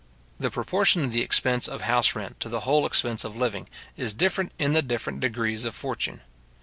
The proportion of the expense of house rent to the whole expense of living, is different in the different degrees of fortune.